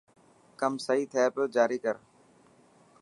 ڪم سهي ٿي پوي جاري ڪر.